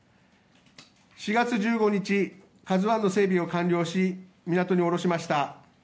４月１５日「ＫＡＺＵ１」の整備を完了し港におろしました。